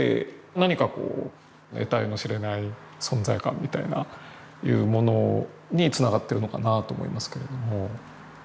何かこう得体の知れない存在感みたいないうものにつながってるのかなと思いますけれども。